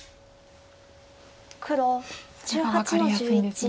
そこが分かりやすいんですね。